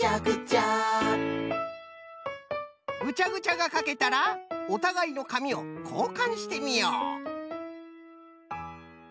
ぐちゃぐちゃがかけたらおたがいのかみをこうかんしてみよう。